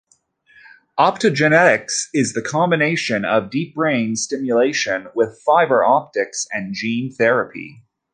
Optogenetics is the combination of deep brain stimulation with fiber optics and gene therapy.